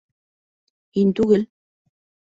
Һин түгел.